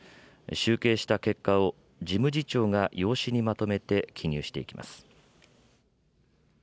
集計した結果を、事務次長が用紙にまとめて記入していきます。